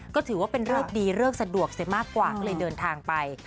ก็ถือว่าเป็นเลิกดีเลิกสะดวกเสียมากกว่าก็เลยเดินทางไป